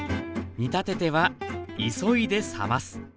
煮立てては急いで冷ます。